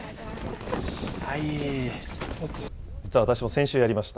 実は私も先週やりました。